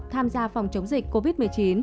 tham gia phòng chống dịch covid một mươi chín